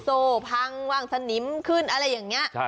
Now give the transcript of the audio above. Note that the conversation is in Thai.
โทรพังสนิมขึ้นอะไรอย่างนี้